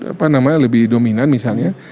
apa namanya lebih dominan misalnya